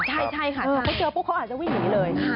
ใช่ค่ะพอเขาเจอปุ๊บเขาอาจจะวิ่งหนีเลย